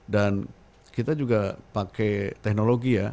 dan kita juga pakai teknologi ya